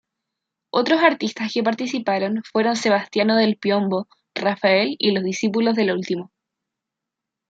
Otros artistas que participaron fueron Sebastiano del Piombo, Rafael y los discípulos del último.